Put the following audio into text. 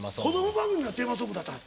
番組のテーマソングだったの？